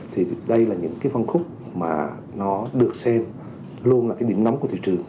thì đây là những phân khúc mà nó được xem luôn là điểm nóng của thị trường